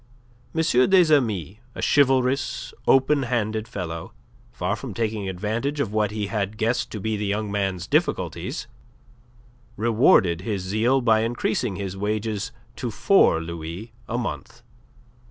M. des Amis, a chivalrous, open handed fellow, far from taking advantage of what he had guessed to be the young man's difficulties, rewarded his zeal by increasing his wages to four louis a month.